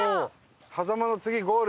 狭間の次ゴール。